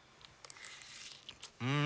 うん！